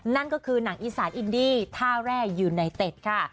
นั่นก็คือหนังอีสานอินดี้ท่าแร่ยูไนเต็ดค่ะ